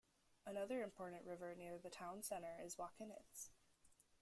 Another important river near the town centre is the Wakenitz.